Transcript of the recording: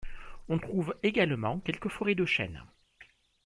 On trouve également quelques forêts de chênes.